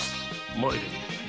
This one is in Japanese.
参れ。